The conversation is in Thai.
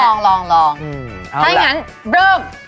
เดี๋ยวต้องลองถ้าอย่างงั้นเริ่ม